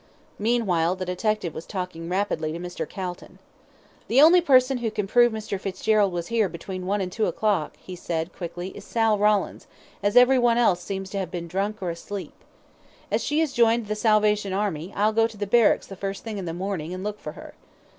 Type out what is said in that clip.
Meanwhile the detective was talking rapidly to Mr. Calton. "The only person who can prove Mr. Fitzgerald was here between one and two o'clock," he said, quickly, "is Sal Rawlins, as everyone else seems to have been drunk or asleep. As she has joined the Salvation Army, I'll go to the barracks the first thing in the morning and look for her."